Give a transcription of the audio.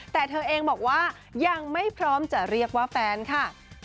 แต่เธอเองบอกว่ายังไม่พร้อมจะเรียกว่าแฟนค่ะ